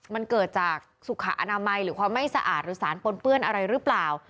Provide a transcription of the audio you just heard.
มันเกิดจากสุขอนามัยหรือความไม่สะอาดหรือสารปนเปื้อนอะไรหรือเปล่า